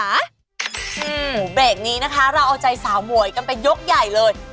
โอ้โหเบรกนี้นะคะเราเอาใจสาวหมวยกันไปยกใหญ่เลย